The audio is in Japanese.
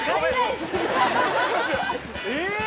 え！